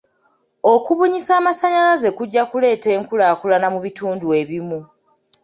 Okubunyisa amasannyalaze kujja kuleeta enkulaakulana mu bitundu ebimu.